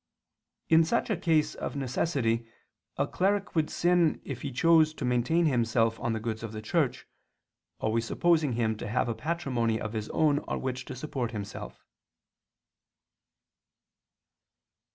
In such a case of necessity a cleric would sin if he chose to maintain himself on the goods of the Church, always supposing him to have a patrimony of his own on which to support himself.